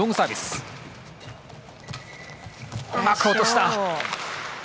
うまく落とした。